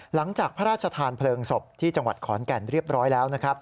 หลังจากพระราชทานเพลิงศพที่จังหวัดขอนแก่นเรียบร้อยแล้วนะครับ